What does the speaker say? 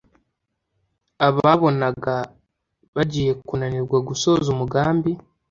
babonaga bagiye kunanirwa gusoza umugambi